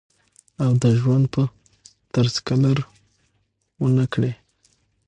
او د ژوند پۀ طرز کلر ونۀ کړي